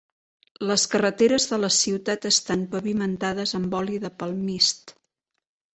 Les carreteres de la ciutat estan pavimentades amb oli de palmist.